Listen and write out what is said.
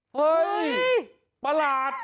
เฮ้ยประหลาด